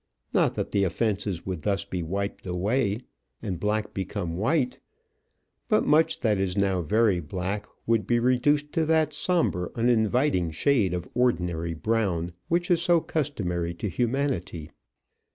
Not that the offences would thus be wiped away, and black become white; but much that is now very black would be reduced to that sombre, uninviting shade of ordinary brown which is so customary to humanity.